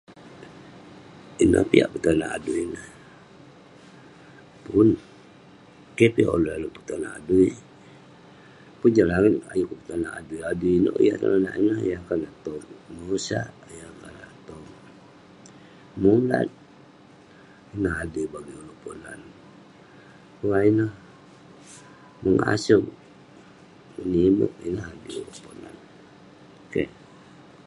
Ineh piak petonak adui ineh, pun. Keh piak uleuk dalem petonak adui. Pun jah langit ayuk kuk petonak adui, adui ineuk yah kenonak ineh, yah konak toq mosak, yah konak toq munat. Ineh adui bagik uleuk Ponan. Ngah ineh, mengaseuk, menimeq ineh adui uleuk Ponan. Keh.